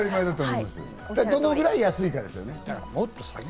どのくらい安いかですよね。